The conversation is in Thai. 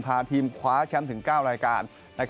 พาทีมคว้าแชมป์ถึง๙รายการ